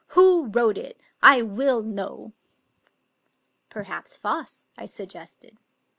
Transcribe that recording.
"Who wrote it? I will know." " Perhaps Foss," I suggested.